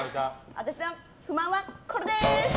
私の不満はこれです！